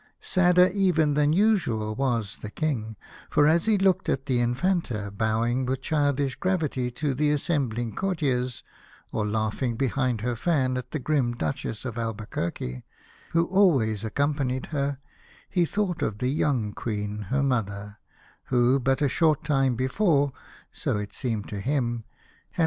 Sadder even than usual was the King, for as he looked at the Infanta bowing with childish gravity to the assembling courtiers, or laughing behind her fan at the grim Duchess of Albuquerque who always accompanied her, he thought of the young Queen, her mother, who but a short time before — so it seemed to him — had 2 9 A House of Pomegranates.